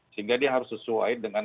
sehingga dia harus sesuai dengan